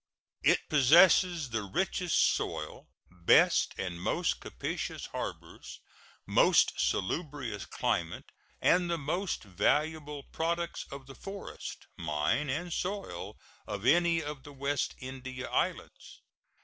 It possesses the richest soil, best and most capacious harbors, most salubrious climate, and the most valuable products of the forests, mine, and soil of any of the West India Islands.